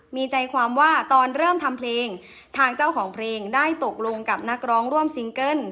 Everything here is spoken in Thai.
มีใจความว่าตอนเริ่มทำเพลงทางเจ้าของเพลงได้ตกลงกับนักร้องร่วมซิงเกิ้ล